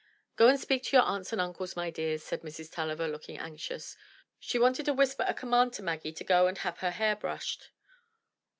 Go and speak to your aunts and uncles, my dears," said Mrs. Tulliver looking anxious. She wanted to whisper a com mand to Maggie to go and have her hair brushed.